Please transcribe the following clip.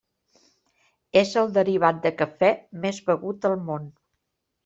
És el derivat de cafè més begut al món.